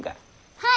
はい。